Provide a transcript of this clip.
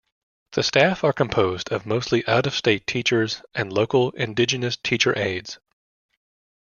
The staff are composed of mostly out-of-state teachers and local indigenous teacher aides.